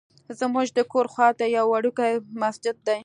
زمونږ د کور خواته یو وړوکی مسجد دی.